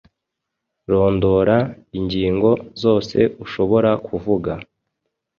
Rondora ingingo zose ushobora kuvuga